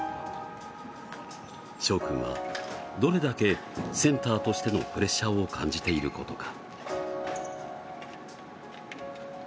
しょう君は、どれだけセンターとしてのプレッシャーを感じていることか。